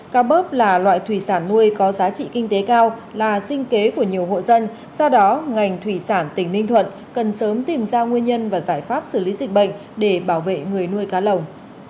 cá bớp là loại thủy sản nuôi có giá trị kinh tế cao là sinh kế của nhiều hộ dân do đó ngành thủy sản tỉnh ninh thuận cần sớm tìm ra nguyên nhân và giải pháp xử lý dịch bệnh để bảo vệ người nuôi cá lồng